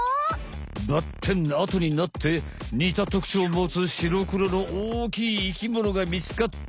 ばってんあとになってにたとくちょうをもつ白黒の大きい生きものがみつかった。